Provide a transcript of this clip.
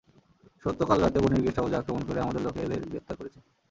সত্য কাল রাতে বনের গেস্ট হাউজে আক্রমণ করে আমাদের লোকেদের গ্রেফতার করেছে।